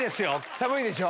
寒いでしょ。